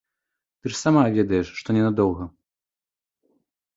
Ты ж сама ведаеш, што ненадоўга.